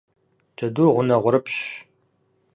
Джэдур гъунэгъурыпщщ.